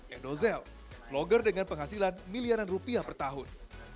edo zell vlogger dengan penghasilan miliaran rupiah per tahun